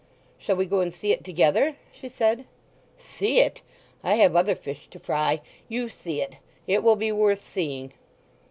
"Shall we go and see it together?" she said. "See it! I have other fish to fry. You see it. It will be worth seeing!"